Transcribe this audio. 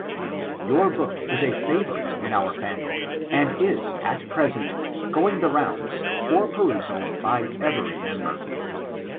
Your book is a favorite in onr family, and in, at present, going the rounds, for perusal, by eveiy member.